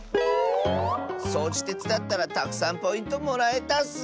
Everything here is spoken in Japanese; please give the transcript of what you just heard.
そうじてつだったらたくさんポイントもらえたッス。